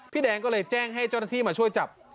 แดงก็เลยแจ้งให้เจ้าหน้าที่มาช่วยจับ